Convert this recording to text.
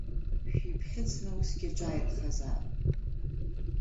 Шәиԥхьыӡны усгьы аҿааирхазаап.